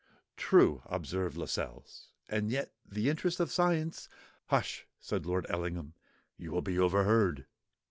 "True!" observed Lascelles. "And yet the interests of science——" "Hush!" said Lord Ellingham: "you will be overheard."